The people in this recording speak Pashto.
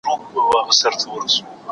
سبزۍ د بدن انرژي چمتو کوي.